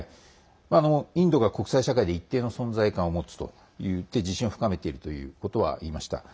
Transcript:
インドが国際社会で一定の存在感を持つとして自信を深めているということは言いました。